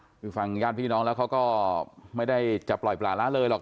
คือฟังญาติพี่น้องแล้วเขาก็ไม่ได้จะปล่อยปลาละเลยหรอก